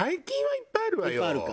いっぱいあるか。